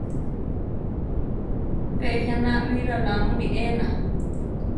Pe jéna bi ralamuli ená.